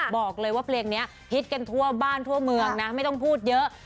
บอกเลยว่าเพลงนี้ฮิตกันทั่วบ้านทั่วเมืองนะไม่ต้องพูดเยอะ